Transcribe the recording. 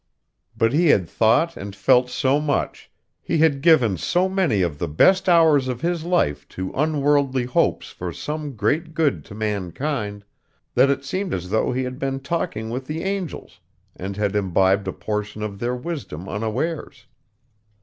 But he had thought and felt so much, he had given so many of the best hours of his life to unworldly hopes for some great good to mankind, that it seemed as though he had been talking with the angels, and had imbibed a portion of their wisdom unawares.